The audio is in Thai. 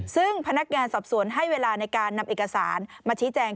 ซึ่งพนักงานสอบสวนให้เวลาในการนำเอกสารมาชี้แจง